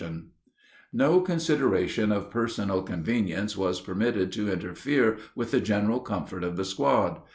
No consideration of personal convenience was permitted to interfere with the general comfort of the "squad."